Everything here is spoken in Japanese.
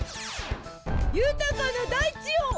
ゆたかなだいちを！